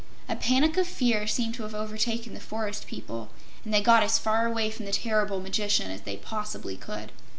A panic of fear seemed to have overtaken the forest people and they got as far away from the terrible Magician as they possibly could.